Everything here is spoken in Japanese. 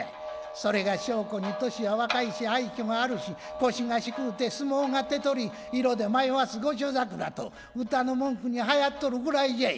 それが証拠に歳は若いし愛嬌があるし腰が低うて相撲が手取り色で迷わす御所桜と唄の文句に流行っとるぐらいじゃい。